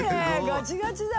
ガチガチだ。